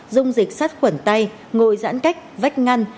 dung dịch sát khuẩn tay ngồi giãn cách vách ngăn